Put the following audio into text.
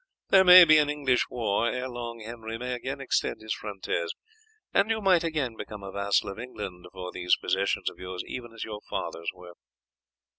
There may be an English war; ere long Henry may again extend his frontiers, and you might again become a vassal of England for these possessions of yours even as your fathers were."